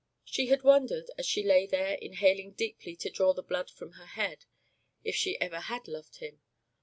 She had wondered, as she lay there inhaling deeply to draw the blood from her head, if she ever had loved him.